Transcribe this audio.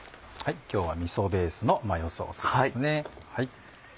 今日はみそベースのマヨソースですね。